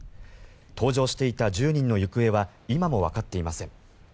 搭乗していた１０人の行方は今もわかっていません。